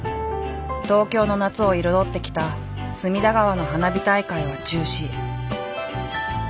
東京の夏を彩ってきた隅田川の花火大会は中止。